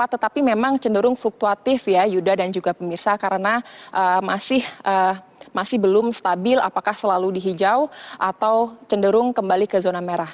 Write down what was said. tetapi memang cenderung fluktuatif ya yuda dan juga pemirsa karena masih belum stabil apakah selalu di hijau atau cenderung kembali ke zona merah